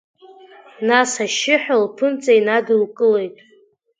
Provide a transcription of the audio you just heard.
Нас ашьшьыҳәа лԥынҵа инадылкылеит.